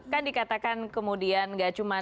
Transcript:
kan dikatakan kemudian gak cuma